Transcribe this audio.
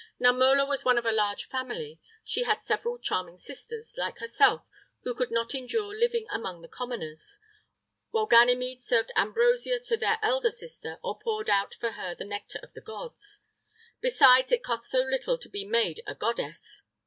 [III 21] Now Mola was one of a large family; she had several charming sisters, like herself, who could not endure living among the commoners, while Ganymede served ambrosia to their elder sister, or poured out for her the nectar of the gods. Besides, it cost so little to be made a goddess!